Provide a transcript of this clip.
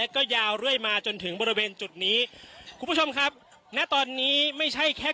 ก็ยาวเรื่อยมาจนถึงบริเวณจุดนี้คุณผู้ชมครับณตอนนี้ไม่ใช่แค่